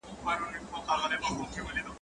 څه چي په دېگ کي وي، په ملاغه کي راوزي.